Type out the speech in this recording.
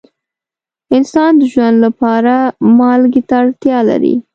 انسان د ژوند لپاره مالګې ته اړتیا لري.